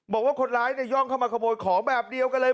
บอกว่าคนร้ายย่องเข้ามาขโมยของแบบเดียวกันเลย